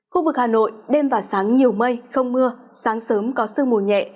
khu vực hà nội đêm và sáng nhiều mây không mưa sáng sớm có sương mù nhẹ